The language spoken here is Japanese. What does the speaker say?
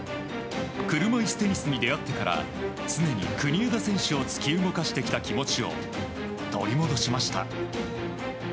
車いすテニスに出会ってから常に国枝選手を突き動かしてきた気持ちを取り戻しました。